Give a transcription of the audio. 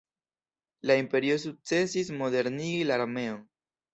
La Imperio sukcesis modernigi la armeon.